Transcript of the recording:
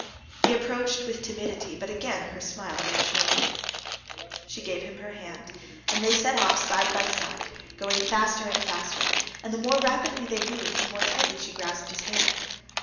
He approached with timidity, but again her smile reassured him. She gave him her hand, and they set off side by side, going faster and faster, and the more rapidly they moved the more tightly she grasped his hand.